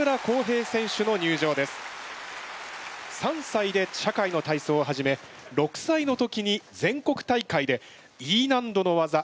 ３さいで社会の体操を始め６さいの時に全国大会でＥ難度のわざ